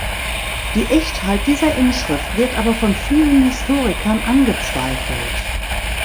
Die Echtheit dieser Inschrift wird aber von vielen Historikern angezweifelt.